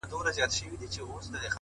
اخلاص د زړه ژبه ده’